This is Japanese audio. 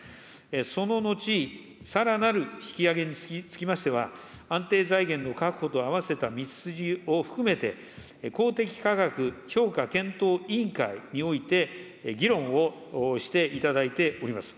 その後、さらなる引き上げにつきましては、安定財源の確保とあわせた道筋を含めて、公的価格評価検討委員会において、議論をしていただいております。